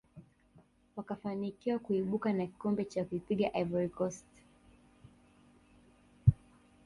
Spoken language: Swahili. wakafanikiwa kuibuka na kikombe kwa kuipiga ivory coast